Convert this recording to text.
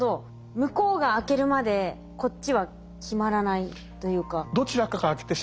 向こうが開けるまでこっちは決まらないというか。